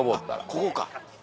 ここか。